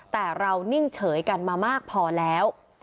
แต่เรานิ่งเฉยกันมามากพอแล้ว